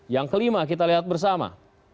yang kelima kita lihat bersama